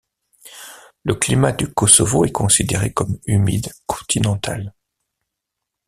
Le climat du Kosovo est considéré comme humide continental.